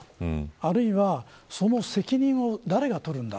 あるいはその責任を誰がとるんだ。